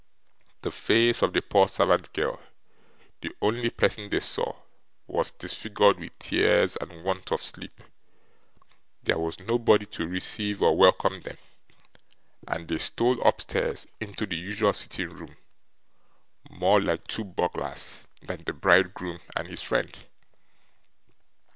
The face of the poor servant girl, the only person they saw, was disfigured with tears and want of sleep. There was nobody to receive or welcome them; and they stole upstairs into the usual sitting room, more like two burglars than the bridegroom and his friend.